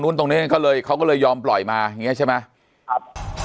แล้วก็แยกประเด็นคดีไปอีกจังหวัด